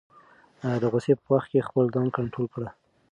د غصې په وخت کې خپل ځان کنټرول کړه.